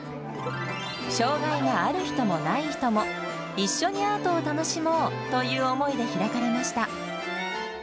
障がいがある人もない人も、一緒にアートを楽しもうという思いで開かれました。